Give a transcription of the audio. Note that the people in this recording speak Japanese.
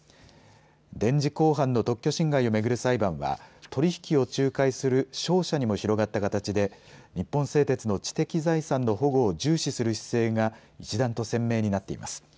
電磁鋼板の特許侵害を巡る裁判は取り引きを仲介する商社にも広がった形で日本製鉄の知的財産の保護を重視する姿勢が一段と鮮明になっています。